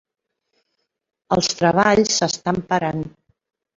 Els treballs s"estan parant.